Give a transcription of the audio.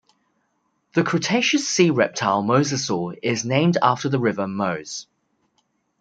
The Cretaceous sea reptile Mosasaur is named after the river Meuse.